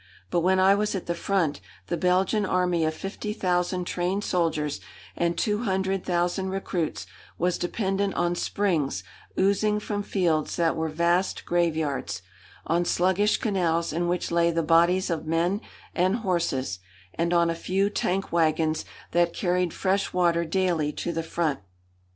But when I was at the front the Belgian Army of fifty thousand trained soldiers and two hundred thousand recruits was dependent on springs oozing from fields that were vast graveyards; on sluggish canals in which lay the bodies of men and horses; and on a few tank wagons that carried fresh water daily to the front.